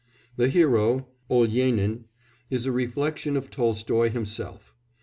The hero, Olyénin, is a reflection of Tolstoy himself.